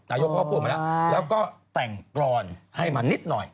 นายกก็พูดมาแล้วแล้วก็แต่งกรอนให้มานิดหน่อย